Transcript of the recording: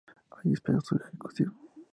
Allí, esperó su ejecución.